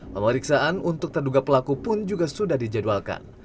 pemeriksaan untuk terduga pelaku pun juga sudah dijadwalkan